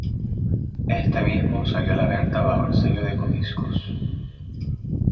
Este mismo salió a la venta bajo el sello de Codiscos.